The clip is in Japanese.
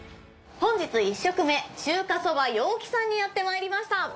本日１食目『中華そば陽気』さんにやってまいりました！